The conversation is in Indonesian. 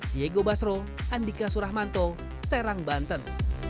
diego basro andika suramanto serang banten